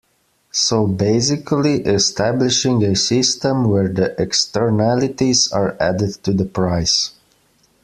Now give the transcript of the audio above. So basically establishing a system where the externalities are added to the price.